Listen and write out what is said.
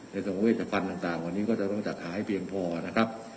ในทางเวชพันธุ์ต่างวันนี้ก็จะต้องจัดหาให้เพียงพอนะครับ